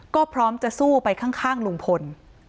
ก็พร้อมจะสู้ไปข้างลุงพล